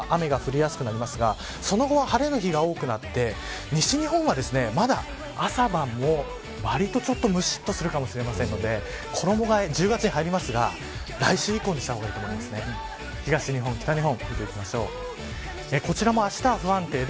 西日本は雨が降りやすくなりますがその後は晴れの日が多くなって西日本は、まだ朝晩もわりとちょっとむしっとするかもしれませんので衣替え、１０月に入りますが来週以降にした方が今回のヒーローはこの方。